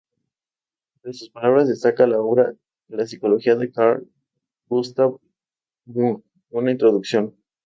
Entre sus trabajos destaca la obra "La psicología de Carl Gustav Jung: una introducción".